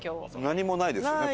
何もないですね